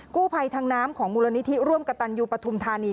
กู้ภัยทางน้ำของมูลนิธิร่วมกับตันยูปฐุมธานี